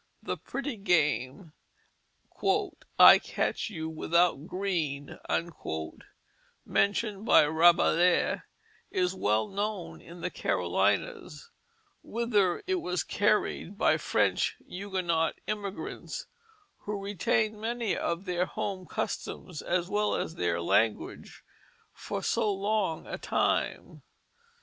The pretty game, "I catch you without green," mentioned by Rabelais, is well known in the Carolinas, whither it was carried by French Huguenot immigrants, who retained many of their home customs as well as their language for so long a time.